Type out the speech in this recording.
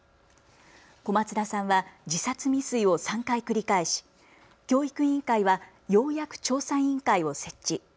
小松田さんは自殺未遂を３回繰り返し教育委員会はようやく調査委員会を設置。